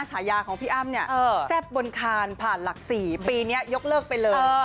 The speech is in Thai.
ฉายาของพี่อ้ำเนี่ยแซ่บบนคานผ่านหลัก๔ปีนี้ยกเลิกไปเลย